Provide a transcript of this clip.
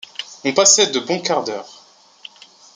On passait de bons quarts d’heure.